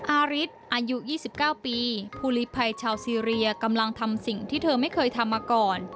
อาริสอายุ๒๙ปีภูลีภัยชาวซีเรียกำลังทำสิ่งที่เธอไม่เคยทำมาก่อน